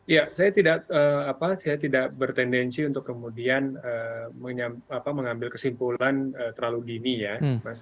ya saya tidak bertendensi untuk kemudian mengambil kesimpulan terlalu dini ya mas